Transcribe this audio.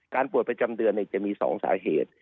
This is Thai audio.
ปวดประจำเดือนจะมี๒สาเหตุ